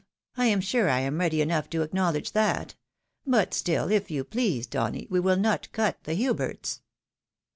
I am sure I am ready enough to acknowledge that ; but still, if "you please, Donny, we will not cut the Huberts."